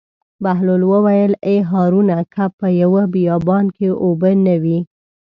بهلول وویل: ای هارونه که په یوه بیابان کې اوبه نه وي.